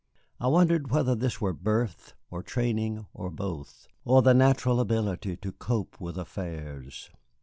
I wondered whether this were birth, or training, or both, or a natural ability to cope with affairs.